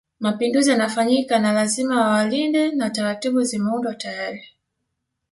Mapinduzi yanafanyika na lazima wawalinde na taratibu zimeundwa tayari